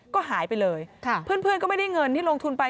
ก็หายไปเลยเพื่อนก็ไม่ได้เงินที่ลงทุนไป